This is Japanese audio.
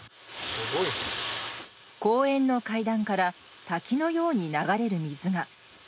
公園の階段から滝のように流れる水が。